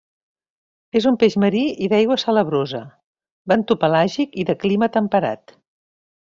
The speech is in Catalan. És un peix marí i d'aigua salabrosa, bentopelàgic i de clima temperat.